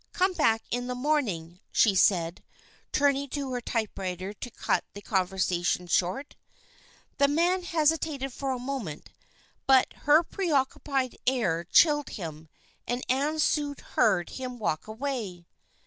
Come back in the morning," she said, turning to her typewriter to cut the conversation short. The man hesitated for a moment, but her preoccupied air chilled him and Ann soon heard him walk away.